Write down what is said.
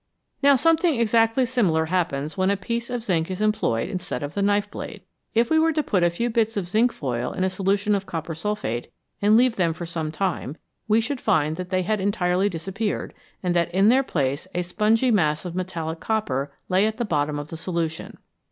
Now something exactly similar happens when a piece of zinc is employed instead of the knife blade. If we were to put a few bits of zinc foil in a solution of copper sulphate, and leave them for some time, we should find that they had entirely disappeared, and that in their place a spongy mass of metallic copper lay at the bottom of the solution.